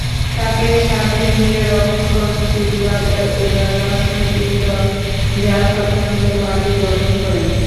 তাকে সাথে নিয়ে রক্ষণশীল বাজার উদার রাজনৈতিক দল যা স্বতন্ত্র পার্টি গঠন করেন।